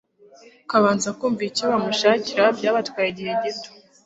kabanza kumva icyo bamushakira byabatwaye igihe gito